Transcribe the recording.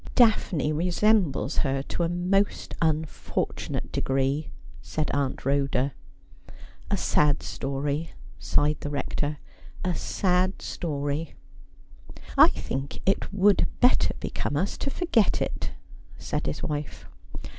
' Daphne resembles her to a most unfortunate degree,' said Aunt Rhoda. ' A sad story,''sighed the Rector ;' a sad story.' 'I think it would better become us to forget it,' said his wife.